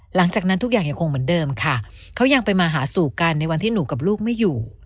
หลังจากนั้นทุกอย่างยังคงเหมือนเดิมค่ะเขายังไปมาหาสู่กันในวันที่หนูกับลูกไม่อยู่